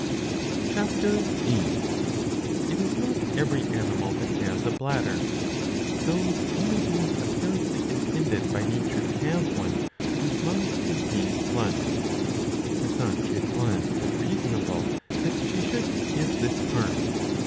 (Ch. Z.) It is not every animal that has a bladder ; those only being apparently intended by nature to have one, whose lung contains blood. ^ To such it was but reasonable that she should give this part.